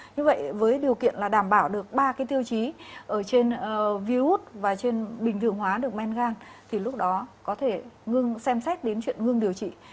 như vậy với điều kiện là đảm bảo được ba cái tiêu chí ở trên virus và trên bình thường hóa được men gan thì lúc đó có thể ngưng xem xét đến chuyện ngưng điều trị